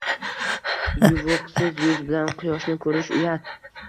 Yuvuqsiz yuz bilan quyoshni ko‘rish uyat.